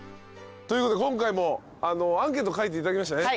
今回もアンケート書いていただきましたね。